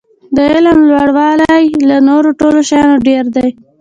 د علم لوړاوی له نورو ټولو شیانو ډېر دی.